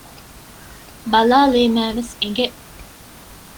ބަލާލީމައިވެސް އެނގެ